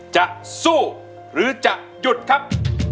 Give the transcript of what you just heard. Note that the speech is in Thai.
จะสู้หรือจะหยุดครับ